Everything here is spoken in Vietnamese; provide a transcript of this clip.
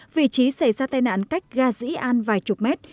vị trí xảy ra tai nạn cách ga dĩ an vài chục mét